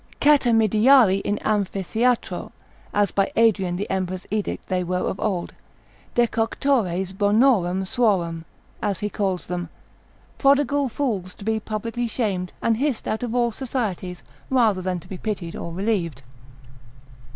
Catamidiari in Amphitheatro, as by Adrian the emperor's edict they were of old, decoctores bonorum suorum, so he calls them, prodigal fools, to be publicly shamed, and hissed out of all societies, rather than to be pitied or relieved.